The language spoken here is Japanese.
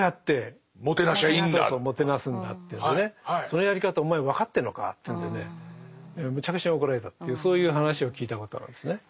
そのやり方をお前分かってんのか？というんでねむちゃくちゃ怒られたっていうそういう話を聞いたことがあるんですね。